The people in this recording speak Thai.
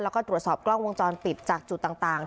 แล้วก็ตรวจสอบกล้องวงจรปิดจากจุดต่าง